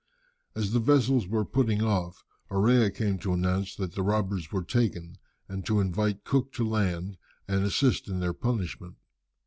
As the vessels were putting off, Orea came to announce that the robbers were taken, and to invite Cook to land and assist in their punishment.